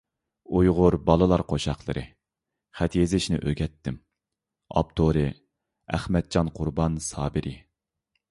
ئۇيغۇر بالىلار قوشاقلىرى: «خەت يېزىشنى ئۆگەتتىم»، ئاپتورى: ئەخمەتجان قۇربان سابىرى